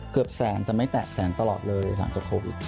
เกือบแสนแต่ไม่แตะแสนตลอดเลยหลังจากโควิด